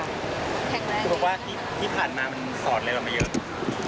คือบอกว่าที่ผ่านมามันสอนอะไรเรามาเยอะ